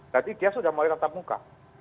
berarti dia sudah mulai tetap muka